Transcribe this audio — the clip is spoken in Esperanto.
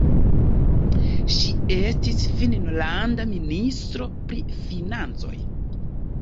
Ŝi estis finnlanda ministro pri financoj.